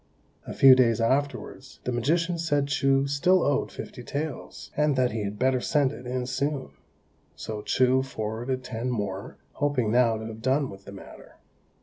A few days afterwards the magician said Chou still owed fifty taels, and that he had better send it in soon; so Chou forwarded ten more, hoping now to have done with the matter.